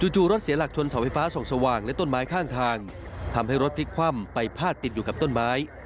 จู่รถเสียหลักชนเสาไฟฟ้าส่องสว่างและต้นไม้ข้างทางทำให้รถพลิกคว่ำไปพาดติดอยู่กับต้นไม้